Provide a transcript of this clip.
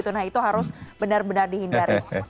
nah itu harus benar benar dihindari